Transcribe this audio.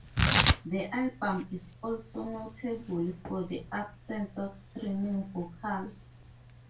The album is also notable for the absence of screaming vocals.